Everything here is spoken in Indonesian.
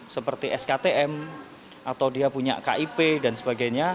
seperti sktm atau dia punya kip dan sebagainya